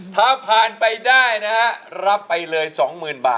ยังไม่ตายโอ้โฮ